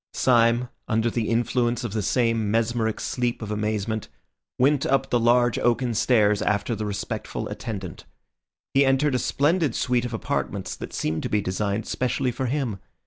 Syme, under the influence of the same mesmeric sleep of amazement, went up the large oaken stairs after the respectful attendant. He entered a splendid suite of apartments that seemed to be designed specially for him.